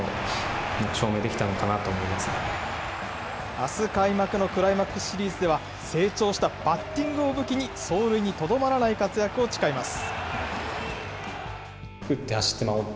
あす開幕のクライマックスシリーズでは、成長したバッティングを武器に、走塁にとどまらない活躍を誓います。